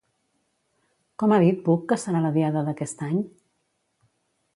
Com ha dit Buch que serà la Diada d'aquest any?